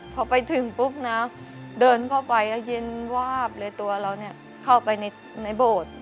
พอไปถึงปุ๊บนะเดินเข้าไปก็เย็นวาบเลยตัวเราเข้าไปในโบสถ์